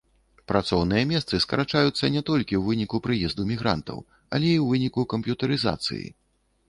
Працоўныя месцы скарачаюцца не толькі ў выніку прыезду мігрантаў, але і ў выніку камп'ютарызацыі.